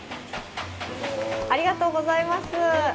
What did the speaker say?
ありがとうございます。